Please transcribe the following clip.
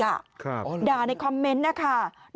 ครับด่าในคอมเม้นส์นะคะ